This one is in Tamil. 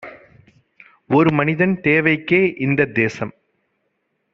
ஒருமனிதன் தேவைக்கே இந்தத் தேசம்